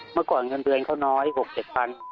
เมื่อก่อนเงินเมือนเค้าน้อย๖๗๐๐๐บาท